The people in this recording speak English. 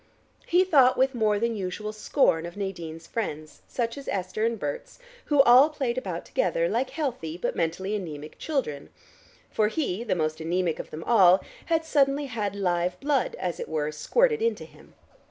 He thought with more than usual scorn of Nadine's friends, such as Esther and Berts, who all played about together like healthy, but mentally anemic, children, for he, the most anemic of them all, had suddenly had live blood, as it were, squirted into him.